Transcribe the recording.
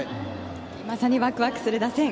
まさにワクワクする打線。